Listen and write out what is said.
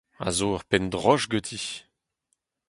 A zo ur penn droch ganti.